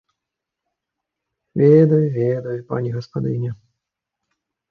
Ведаю, ведаю, пані гаспадыня!